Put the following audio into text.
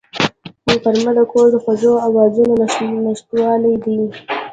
غرمه د کور د خوږو آوازونو نشتوالی دی